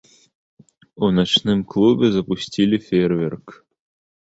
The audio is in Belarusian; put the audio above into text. У начным клубе запусцілі феерверк.